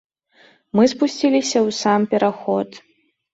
Мы спусціліся ў сам пераход.